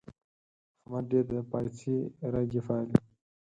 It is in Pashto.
احمد ډېر د پايڅې رګی پالي.